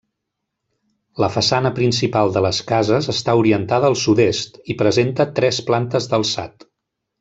La façana principal de les cases està orientada al sud-est i presenta tres plantes d'alçat.